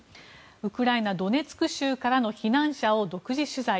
ウクライナ・ドネツク州からの避難者を独自取材。